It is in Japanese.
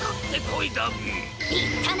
いったな！